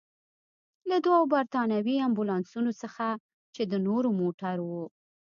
له دوو برتانوي امبولانسونو څخه، چې د نورو موټرو.